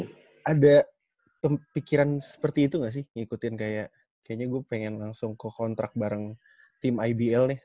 lu ada kepikiran seperti itu gak sih ngikutin kayak kayaknya gua pengen langsung kekontrak bareng tim ibl nih